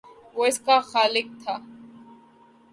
وہ اس کے خالق تھے۔